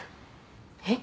えっ？